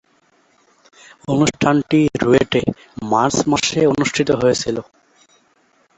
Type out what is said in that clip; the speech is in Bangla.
অনুষ্ঠানটি রুয়েটে মার্চ মাসে অনুষ্ঠিত হয়েছিলো।